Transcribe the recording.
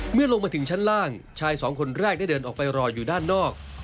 เมื่อลงมาถึงชั้นล่างชายสองคนแรกได้เดินออกไปรออยู่ด้านนอก